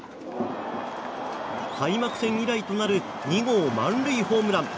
開幕戦以来となる２号満塁ホームラン。